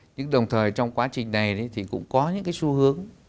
nhưng đồng thời trong quá trình này thì cũng có những cái xu hướng